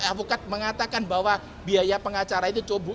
avokat mengatakan bahwa biaya pengacara itu coba